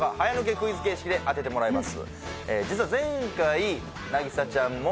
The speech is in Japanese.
クイズ形式で当ててもらいます